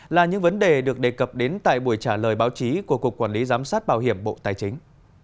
là những vấn đề được đề cập đến tại buổi trả lời báo chí của cục quản lý giám sát bảo hiểm bộ tài chính